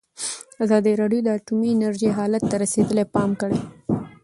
ازادي راډیو د اټومي انرژي حالت ته رسېدلي پام کړی.